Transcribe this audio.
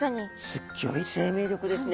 すギョい生命力ですね。